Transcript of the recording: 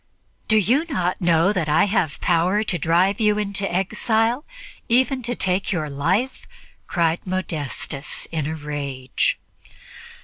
"Do you not know that I have power to drive you into exile, even to take your life?" cried Modestus in a rage.